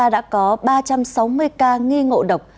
đã có ba trăm sáu mươi ca nghi ngộ độc